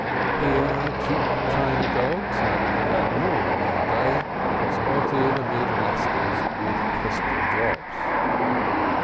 Here cheap china dogs, that had had more than their day squatted amid lustres with crystal drops.